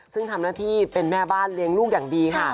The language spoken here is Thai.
ซึ่งทำหน้าที่เป็นแม่บ้านเลี้ยงลูกอย่างดีค่ะ